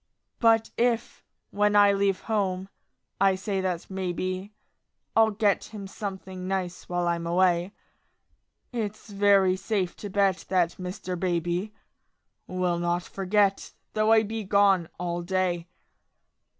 But if, when I leave home, I say that maybe I'll get him something nice while I'm away, It's very safe to bet that Mr. Baby Will not forget, though I be gone all day.